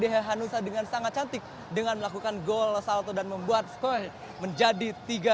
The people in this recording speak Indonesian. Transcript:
hehanusa dengan sangat cantik dengan melakukan gol salto dan membuat skor menjadi tiga